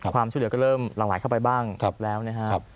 ความช่วยเหลือก็เริ่มหลั่งไหลเข้าไปบ้างแล้วนะครับ